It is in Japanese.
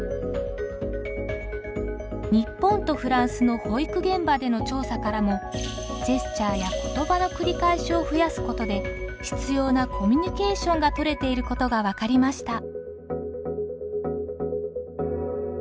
日本とフランスの保育現場での調査からもジェスチャーや言葉の繰り返しを増やすことで必要なコミュニケーションがとれていることが分かりました。